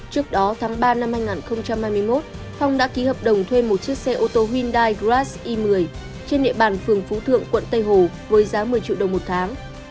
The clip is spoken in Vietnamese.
trước đó tháng ba năm hai nghìn hai mươi một phong đã ký hợp đồng thuê một chiếc xe ô tô hyundai grass i một mươi trên địa bàn phường phú thượng quận tây hồ với giá một mươi triệu đồng một tháng